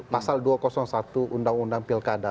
pasal dua ratus satu undang undang pilkada